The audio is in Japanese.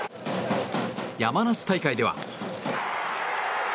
山梨大会では。